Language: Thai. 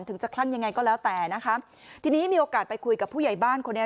ถึงจะคลั่งยังไงก็แล้วแต่นะคะทีนี้มีโอกาสไปคุยกับผู้ใหญ่บ้านคนนี้